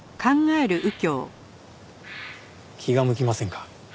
気が向きませんか？